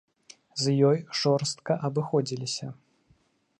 З ёй жорстка абыходзіліся.